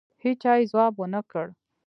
هېچا یې ځواب ونه کړ.